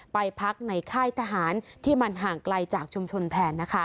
ไปพักในค่ายทหารที่มันห่างไกลจากชุมชนแทนนะคะ